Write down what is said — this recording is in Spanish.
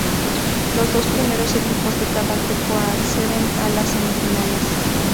Los dos primeros equipos de cada grupo acceden a las semifinales.